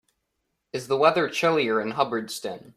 Is the weather chillier in Hubbardston